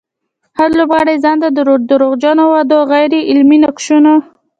هر لوبغاړی ځانته د دروغجنو وعدو او غير عملي نقشونه.